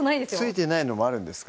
付いてないのもあるんですか？